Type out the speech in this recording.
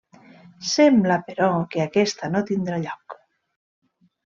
Sembla, però, que aquesta no tindrà lloc.